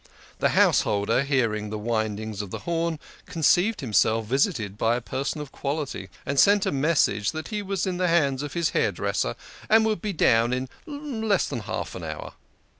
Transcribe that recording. The householder, hearing the windings of the horn, conceived himself visited by a person of quality, and sent a icssage that he was in the hands of his hairdresser, but would be down in less than half an hour.